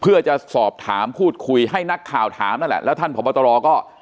เพื่อจะสอบถามพูดคุยให้นักข่าวถามนั่นแหละแล้วท่านผอบตรก็